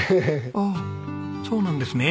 ああそうなんですね。